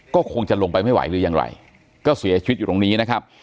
ก็คงจะลงไปไม่ไหวหรือยังไรก็เสียชีวิตอยู่ตรงนี้นะครับ